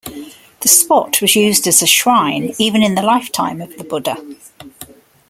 The spot was used as a shrine even in the lifetime of the Buddha.